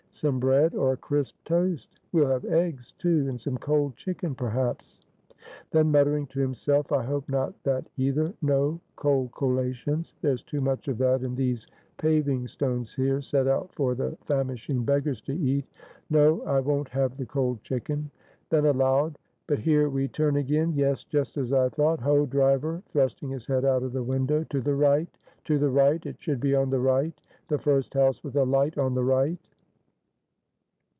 Some bread, or crisp toast? We'll have eggs, too; and some cold chicken, perhaps." Then muttering to himself "I hope not that, either; no cold collations! there's too much of that in these paving stones here, set out for the famishing beggars to eat. No. I won't have the cold chicken." Then aloud "But here we turn again; yes, just as I thought. Ho, driver!" (thrusting his head out of the window) "to the right! to the right! it should be on the right! the first house with a light on the right!"